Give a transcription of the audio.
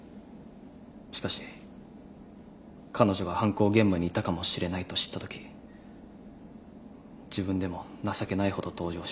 しかし彼女が犯行現場にいたかもしれないと知ったとき自分でも情けないほど動揺しました。